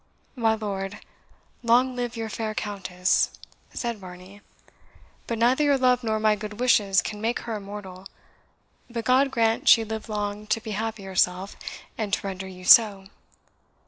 "My lord, long live your fair Countess," said Varney; "but neither your love nor my good wishes can make her immortal. But God grant she live long to be happy herself, and to render you so!